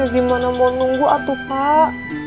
gimana mau nunggu atuh pak